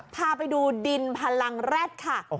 พาไปดูดินพลังแร็ดค่ะ